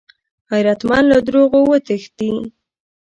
غیرتمند له دروغو وتښتي